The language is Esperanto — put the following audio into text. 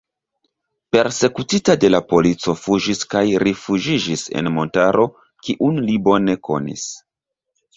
Persekutita de la polico fuĝis kaj rifuĝiĝis en montaro kiun li bone konis.